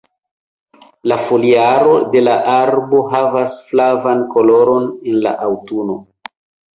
La foliaro de la arbo havas flavan koloron en la aŭtuno.